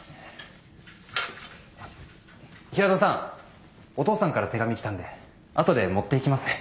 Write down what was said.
平田さんお父さんから手紙来たんであとで持っていきますね。